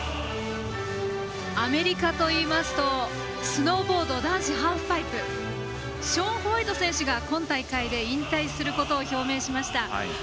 アメリカといいますとスノーボード男子ハーフパイプショーン・ホワイト選手が今大会で引退することを表明しました。